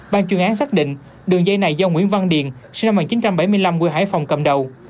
ban chuyên án xác định đường dây này do nguyễn văn điền sinh năm một nghìn chín trăm bảy mươi năm quê hải phòng cầm đầu